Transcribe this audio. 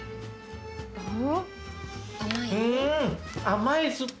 甘い？